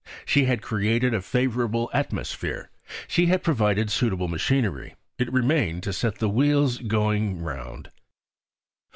She had created a favourable atmosphere; she had provided suitable machinery; it remained to set the wheels going round.